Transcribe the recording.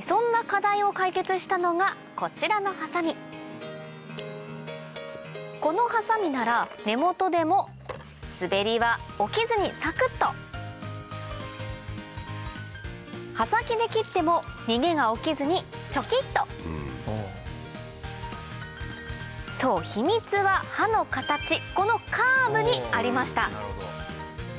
そんな課題を解決したのがこちらのハサミこのハサミなら根元でも滑りは起きずにサクっと刃先で切っても逃げが起きずにチョキっとそう秘密は刃の形このカーブにありました